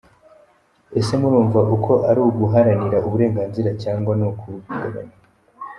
Ese murumva uko ari uguharanira uburenganzira cyangwa ni ukubuhungabanya!”.